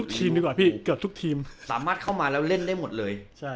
สามารถเข้ามาแล้วเล่นได้หมดเลย